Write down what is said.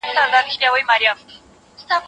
حرم ډک وو له ښایستو ښکلیو مېرمنو